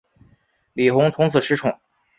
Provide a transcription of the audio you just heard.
李弘从此失宠。